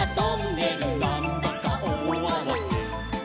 「なんだかおおあわて」